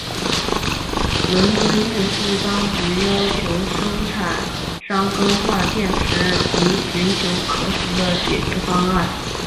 伦敦运输当局要求生产商更换电池及寻求可行的解决方案。